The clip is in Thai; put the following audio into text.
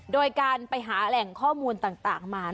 โดยการไปหาแหล่งข้อมูลต่างมา